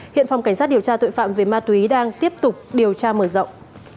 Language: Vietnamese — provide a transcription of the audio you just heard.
hiện phòng cảnh sát điều tra tội phạm về ma túy đang tiếp tục điều tra mở rộng